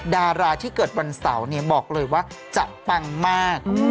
ดาราที่เกิดวันเสาร์บอกเลยว่าจะปังมาก